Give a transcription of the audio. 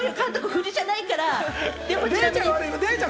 フリじゃないから！